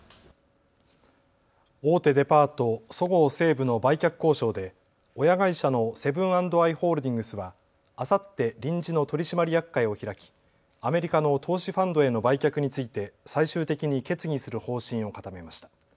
大手デパート、そごう・西武の売却交渉で親会社のセブン＆アイ・ホールディングスはあさって臨時の取締役会を開き、アメリカの投資ファンドへの売却について最終的に決議する方針を固めました。